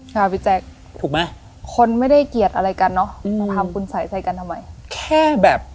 คุณหลัดเราภาคงคุณไสเสธกันทำไม